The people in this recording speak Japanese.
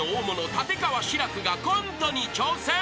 立川志らくがコントに挑戦。